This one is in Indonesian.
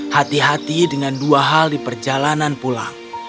hati hati dengan dua hal di perjalanan pulang